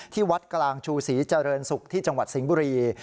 ที่วัดกลางชูศรีเจริญศุกร์ที่จังหวัดสิงห์บุรี